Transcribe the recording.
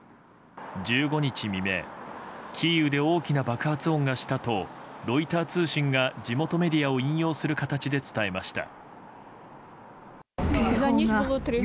１５日未明キーウで大きな爆発音がしたとロイター通信が地元メディアを引用する形で伝えました。